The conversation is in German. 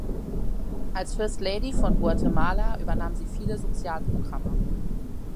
Als First Lady von Guatemala übernahm sie viele Sozialprogramme.